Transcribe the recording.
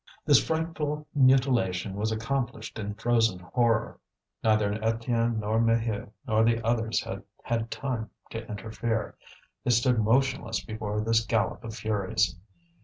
This frightful mutilation was accomplished in frozen horror. Neither Étienne nor Maheu nor the others had had time to interfere; they stood motionless before this gallop of furies.